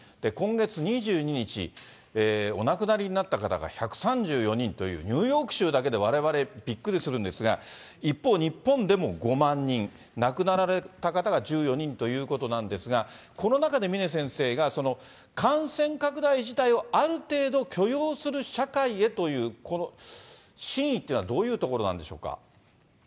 今月２２日、お亡くなりになった方が１３４人という、ニューヨーク州だけでわれわれびっくりするんですが、一方、日本でも５万人、亡くなられた方が１４人ということなんですが、この中で峰先生が感染拡大自体をある程度、許容する社会へという、この真意っていうのはどういうところなんでしょうか。